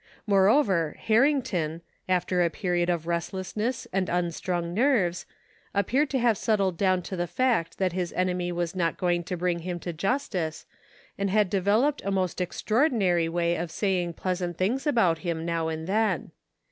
More over Harrington, after a period of restlessness and unstrung nerves, appeared to have settled down to the fact that his enemy was not going to bring him to justice, and had developed a most extraordinary way of saying pleasant things about him now and then.